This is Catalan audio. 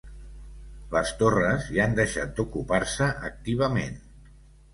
Les torres ja han deixat d'ocupar-se activament.